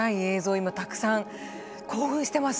今たくさん興奮してます！